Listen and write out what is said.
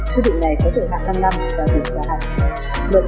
quy định này có thể hạ năm năm và được giả hạn